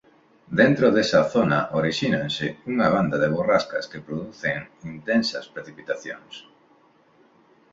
Dentro desa zona orixínanse unha banda de borrascas que producen intensas precipitacións.